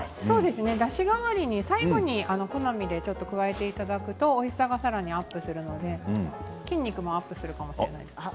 だし代わりに最後に好みで、加えていただくとおいしさがさらにアップするので筋肉もアップするかもしれないです。